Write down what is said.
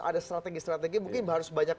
ada strategi strategi mungkin harus banyak